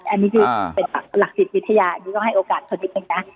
อันนี้คือเป็นแบบหลักศิษย์วิทยานี่ก็ให้โอกาสคนนิดหนึ่งน่ะ